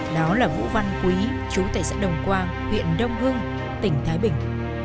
đó là vũ văn quý chú tài sản đồng quang huyện đông hương tỉnh thái bình